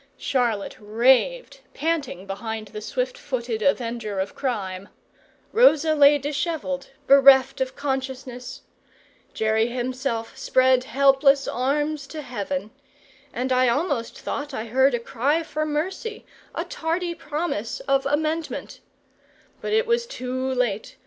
Charlotte raved, panting behind the swift footed avenger of crime; Rosa lay dishevelled, bereft of consciousness; Jerry himself spread helpless arms to heaven, and I almost thought I heard a cry for mercy, a tardy promise of amendment; but it was too late.